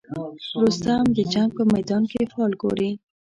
رستم د جنګ په میدان کې فال ګوري.